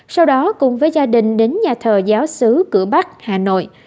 sau đó cùng với gia đình đến nhà thờ giáo sứ cửa bắc hà nội